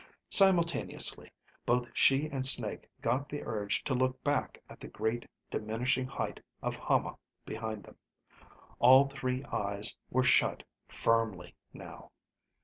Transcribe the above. Simultaneously, both she and Snake got the urge to look back at the great diminishing height of Hama behind them. All three eyes were shut firmly now.